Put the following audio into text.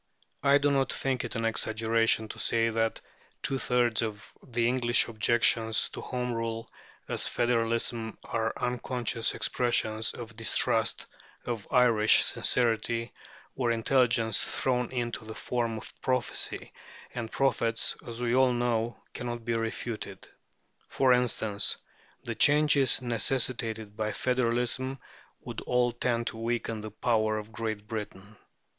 I do not think it an exaggeration to say that two thirds of the English objections to Home Rule as federalism are unconscious expressions of distrust of Irish sincerity or intelligence thrown into the form of prophecy, and prophets, as we all know, cannot be refuted. For instance, "the changes necessitated by federalism would all tend to weaken the power of Great Britain" (Dicey, p.